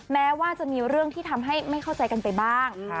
แม้ว่าจะมีเรื่องที่ทำให้ไม่เข้าใจกันไปบ้าง